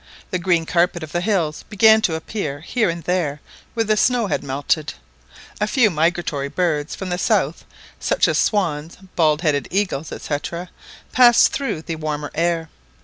The green carpet of the hills began to appear here and there where the snow had melted. A few migratory birds from the south such as swans, bald headed eagles, &c.—passed through the warmer air.